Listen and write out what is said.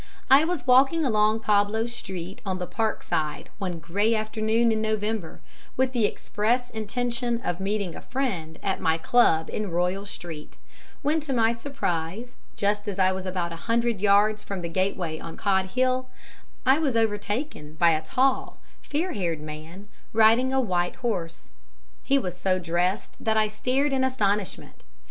I was walking along Pablo Street on the Park side, one grey afternoon in November, with the express intention of meeting a friend at my Club in Royal Street, when to my surprise, just as I was about a hundred yards from the gateway on Cod Hill, I was overtaken by a tall, fair haired man, riding a white horse. He was so dressed that I stared in astonishment.